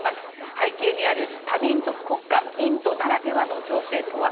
背景にある多民族国家インドならではの情勢とは。